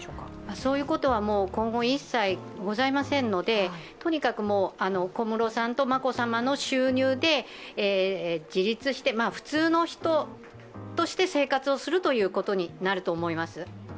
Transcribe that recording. そういうことは今後一切ございませんのでとにかく小室さんと眞子さまの収入で自立して、普通の人として生活をすることになると思います。